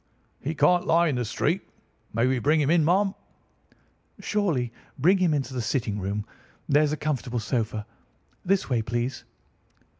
"He can't lie in the street. May we bring him in, marm?" "Surely. Bring him into the sitting room. There is a comfortable sofa. This way, please!"